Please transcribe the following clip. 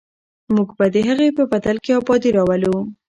موږ به د هغې په بدل کې ابادي راولو.